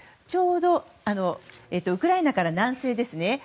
ちょうどウクライナから南西ですね。